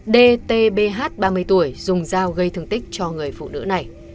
dt bh ba mươi tuổi dùng dao gây thương tích cho người phụ nữ này